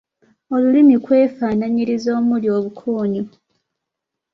Olulimi keefanaanyiriza omuli obukoonyo